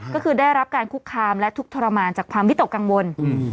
ก็คือได้รับการคุกคามและทุกข์ทรมานจากความวิตกกังวล